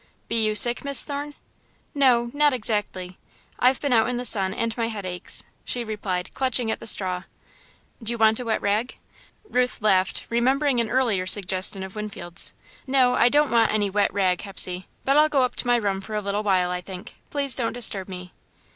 "Be you sick, Miss Thorne?" "No not exactly. I've been out in the sun and my head aches," she replied, clutching at the straw. "Do you want a wet rag?" Ruth laughed, remembering an earlier suggestion of Winfield's. "No, I don't want any wet rag, Hepsey, but I'll go up to my room for a little while, I think. Please don't disturb me."